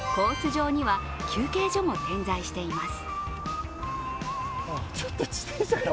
上には休憩所も点在しています。